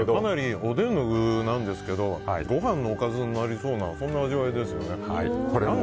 おでんの具なんですけどご飯のおかずになりそうな味わいですよね。